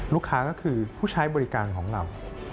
ลูกค้าก็คือผู้ใช้บริการของเรา